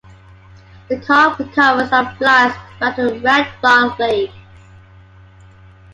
The cob recovers and flies back to the Red Rock Lakes.